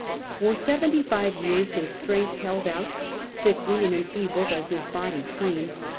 For seventy five years his strength held out, sickly and enfeebled as his body seemed.